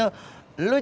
lu jangan berpikir pikir